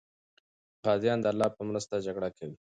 غازیان د الله په مرسته جګړه کوي.